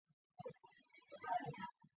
于每周四放学后进行课程。